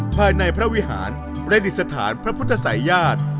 ภายในพระวิหารประดิษฐานพระพุทธศัยญาติ